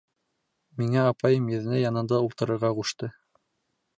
Миңә апайым еҙнәй янында ултырырға ҡушты.